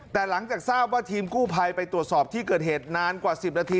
แต่หลังจากทราบว่าทีมกู้ภัยไปตรวจสอบที่เกิดเหตุนานกว่า๑๐นาที